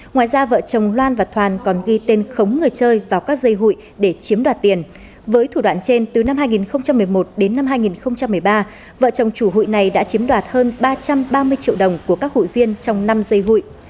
ngoài ra vợ chồng loan và toàn còn ghi tên khống người chơi vào các dây hụi để chiếm đoạt tiền với thủ đoạn trên từ năm hai nghìn một mươi một đến năm hai nghìn một mươi ba vợ chồng chủ hụi này đã chiếm đoạt hơn ba trăm ba mươi triệu đồng của các hụi viên trong năm dây hụi